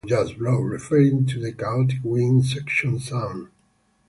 Just blow, just blow, just blow', referring to the chaotic wind section sound.